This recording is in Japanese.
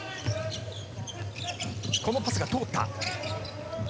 このパスが通った。